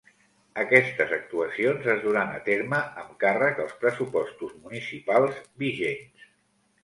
Aquestes actuacions es duran a terme amb càrrec als pressupostos municipals vigents.